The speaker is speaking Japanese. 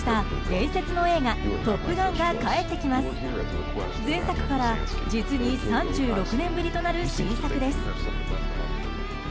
前作から実に３６年ぶりとなる新作です。